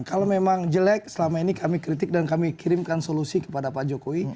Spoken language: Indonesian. kalau memang jelek selama ini kami kritik dan kami kirimkan solusi kepada pak jokowi